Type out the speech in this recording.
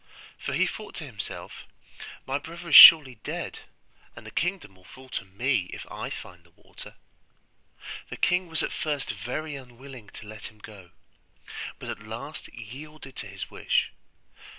For he thought to himself, 'My brother is surely dead, and the kingdom will fall to me if I find the water.' The king was at first very unwilling to let him go, but at last yielded to his wish.